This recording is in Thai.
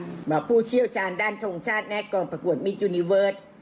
เหมาะผู้เชี่ยวชาญด้านทงชาติแน็กกองประกวดมิทย์ยูนิเวิร์ส